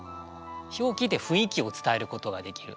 表記で雰囲気を伝えることができる。